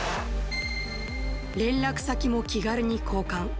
連絡先も気軽に交換。